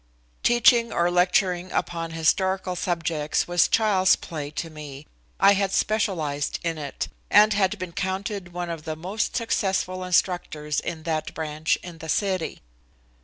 Teaching or lecturing upon historical subjects was child's play to me. I had specialized in it, and had been counted one of the most successful instructors in that branch in the city.